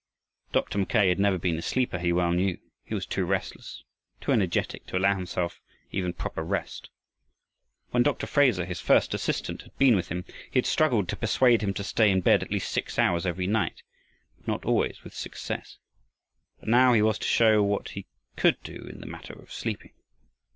Dr. Mackay had never been a sleeper, he well knew. He was too restless, too energetic, to allow himself even proper rest. When Dr. Fraser, his first assistant, had been with him, he had struggled to persuade him to stay in bed at least six hours every night, but not always with success. But now he was to show what he could do in the matter of sleeping.